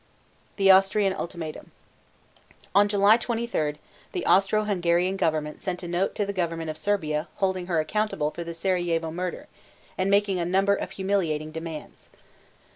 THE AUSTRIAN ULTIMATUM. On July 23, the Austro Hungarian government sent a note to the government of Serbia holding her accountable for the Serajevo murder and making a number of humiliating demands.